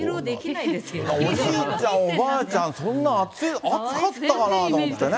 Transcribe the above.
おじいちゃん、おばあちゃん、そんな暑かったかなって思ってね。